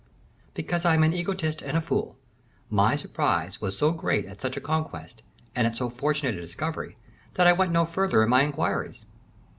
"Because I am an egotist and a fool. My surprise was so great at such a conquest, and at so fortunate a discovery, that I went no further in my inquiries.